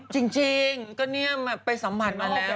จริงก็เนี่ยไปสัมหัสมันต์มันแล้ว